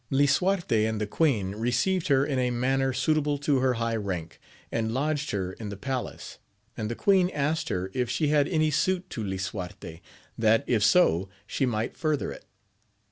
Lisuarte and the queen received her in a manner suitable to her high rank, and lodged her in the palace, and the queen asked her if she had any suit to Lisuarte, that, if so, she might further it.